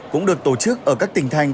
cũng được tổ chức ở các tỉnh thành